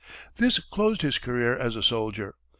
This closed his career as a soldier.